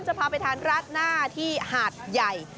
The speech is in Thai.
จะพาไปทานราดหน้าที่หาดใหญ่